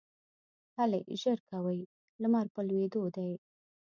هلئ ژر کوئ ! لمر په لوېدو دی